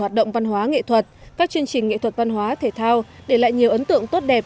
hoạt động văn hóa nghệ thuật các chương trình nghệ thuật văn hóa thể thao để lại nhiều ấn tượng tốt đẹp